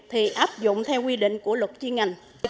thì áp dụng theo quy định của luật doanh nghiệp